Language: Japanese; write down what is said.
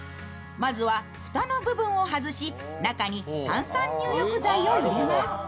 まずは、蓋の部分を外し、中に炭酸入浴剤を入れます。